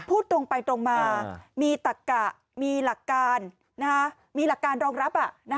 พูดตรงไปตรงมามีตะกะมีหลักการรองรับ